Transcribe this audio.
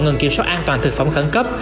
ngừng kiểm soát an toàn thực phẩm khẩn cấp